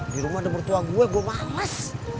dirumah ada mertua gue gue males